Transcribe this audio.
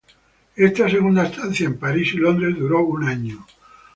Esta segunda estancia en París y Londres duró un año.